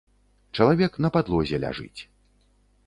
Чалавек на падлозе ляжыць.